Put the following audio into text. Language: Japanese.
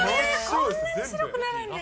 こんなに白くなるんですか。